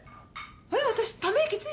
えっ私ため息ついた？